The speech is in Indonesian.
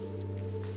jangan korban ya gak